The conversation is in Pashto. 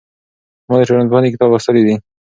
ما د ټولنپوهنې کتاب لوستلی دی.